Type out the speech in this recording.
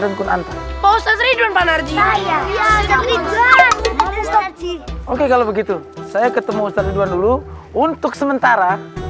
untuk antar posisi dan panasnya ya oke kalau begitu saya ketemu ustadzuan dulu untuk sementara